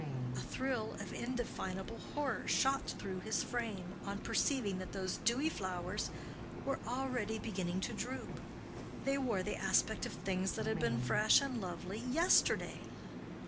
A thrill of indefinable horror shot through his frame on perceiving that those dewy flowers were already beginning to droop; they wore the aspect of things that had been fresh and lovely yesterday.